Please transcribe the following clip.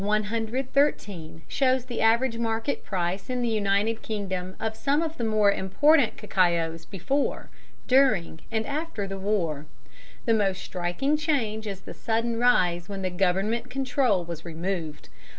113 shows the average market price in the United Kingdom of some of the more important cacaos before, during, and after the war. The most striking change is the sudden rise when the Government control was removed.